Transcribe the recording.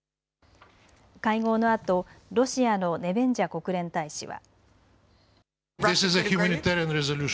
会合のあとロシアのネベンジャ国連大使は。